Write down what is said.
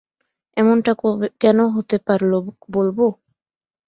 এমনটা কেন হতে পারল, বলব?